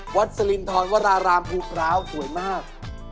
วัดสลินทรวัดรารามภูเกราสวยมาก